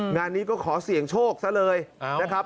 งานนี้ก็ขอเสี่ยงโชคซะเลยนะครับ